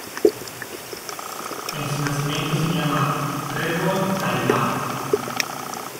En su nacimiento se llama "Rego da Illa".